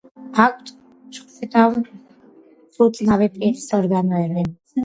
აქვთ მჩხვლეტავ-მწუწნავი პირის ორგანოები.